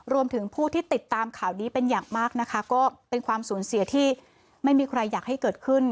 รวมถึงผู้ที่ติดตามข่าวนี้เป็นอย่างมากนะคะก็เป็นความสูญเสียที่ไม่มีใครอยากให้เกิดขึ้น